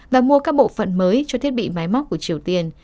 và mua các bộ phận mới cho thiết bị máy móc của triều tiên